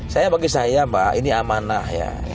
saya bagi saya mbak ini amanah ya